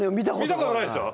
見たことないでしょ？